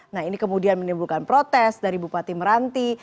nah ini kemudian menimbulkan protes dari bupati meranti